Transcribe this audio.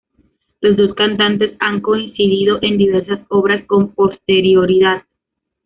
Los dos cantantes han coincidido en diversas obras con posterioridad.